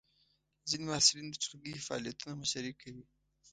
ځینې محصلین د ټولګی فعالیتونو مشري کوي.